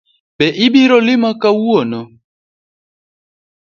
Be ibiro lima kawuono?